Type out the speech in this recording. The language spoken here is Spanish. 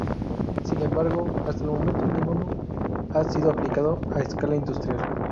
Sin embargo, hasta el momento, ninguno ha sido aplicado a escala industrial.